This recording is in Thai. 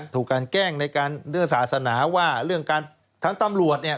ถูกการแกล้งในการเรื่องศาสนาว่าเรื่องการทั้งตำรวจเนี่ย